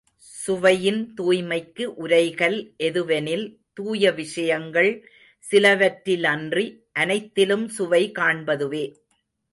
சுவையின் தூய்மைக்கு உரைகல் எதுவெனில் தூய விஷயங்கள் சிலவற்றிலன்றி அனைத்திலும் சுவை காண்பதுவே.